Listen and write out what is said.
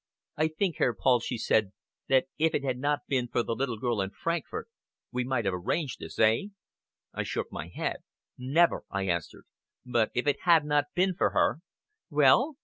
"I think, Herr Paul," she said, "that if it had not been for the little girl in Frankfort, we might have arranged this eh?" I shook my head. "Never!" I answered. "But if it had not been for her " "Well?"